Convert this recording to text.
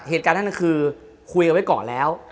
เหตุการณ์นั้นคือคุยกันไว้ก่อนแล้ว